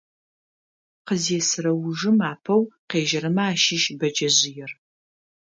Къызесырэ ужым апэу къежьэрэмэ ащыщ бэджэжъыер.